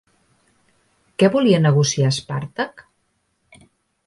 Què volia negociar Espàrtac?